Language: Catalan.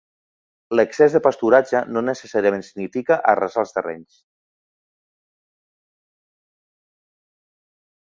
L'excés de pasturatge no necessàriament significa arrasar els terrenys.